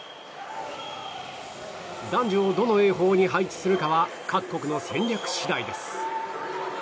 男女をどの泳法に配置するかは各国の戦略次第です。